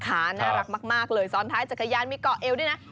น่ารักมากเลยซ้อนท้ายจักรยานมีเกาะเอวด้วยนะ